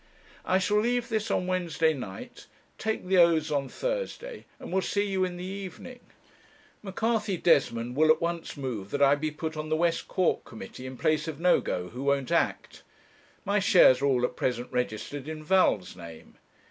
'I shall leave this on Wednesday night, take the oaths on Thursday, and will see you in the evening. M'Carthy Desmond will at once move that I be put on the West Cork Committee, in place of Nogo, who won't act. My shares are all at present registered in Val's name.